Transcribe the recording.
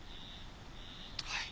はい。